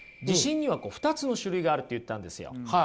「自信には２つの種類がある」って言ったんですよ。